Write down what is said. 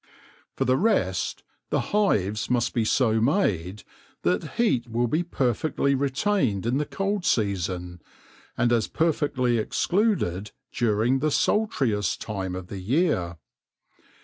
For the rest, the hives must be so made that heat will be perfectly retained in the cold season, and as perfectly excluded during the sultriest time of year.